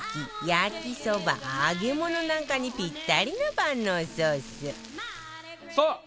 焼きそば揚げ物なんかにぴったりな万能ソース